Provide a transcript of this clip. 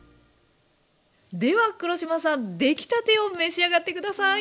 では黒島さん出来たてを召し上がって下さい。